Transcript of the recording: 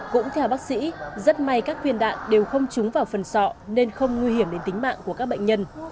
cũng theo bác sĩ rất may các viên đạn đều không trúng vào phần sọ nên không nguy hiểm đến tính mạng của các bệnh nhân